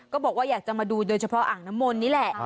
ก็บอกว่าอยากจะมาดูโดยเฉพาะอ่างน้ำมนต์นี่แหละ